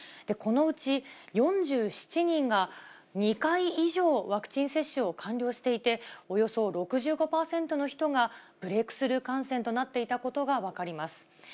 このうち４７人が２回以上、ワクチン接種を完了していて、およそ６５％の人がブレークスルー感染となっていたことが分かります。